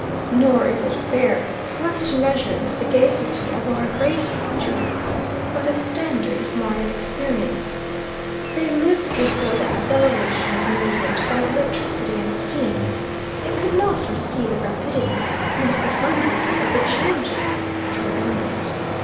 Nor is it fair for us to measure the sagacity of our great jurists by the standard of modern experience. They lived before the acceleration of movement by electricity and steam. They could not foresee the rapidity and the profundity of the changes which were imminent.